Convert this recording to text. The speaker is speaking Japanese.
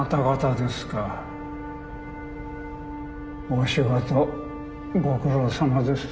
お仕事ご苦労さまです。